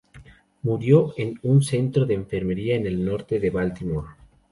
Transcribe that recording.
Murió en un centro de enfermería en el norte de Baltimore.